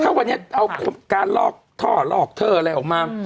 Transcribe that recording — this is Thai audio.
ถ้าวันนี้เอาการลอกท่อลอกเทอร์อะไรออกมา